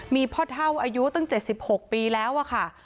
มีพ่อเท่าอายุตั้ง๗๖ปีแล้วอะค่ะ